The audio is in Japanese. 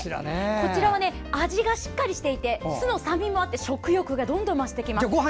こちらは味がしっかりしていて酢の酸味もあって食欲がどんどん増してきます。